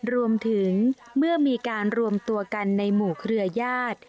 รวมถึงเมื่อมีการรวมตัวกันในหมู่เครือญาติ